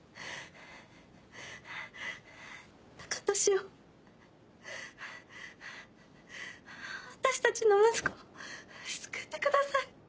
孝俊を私たちの息子を救ってください。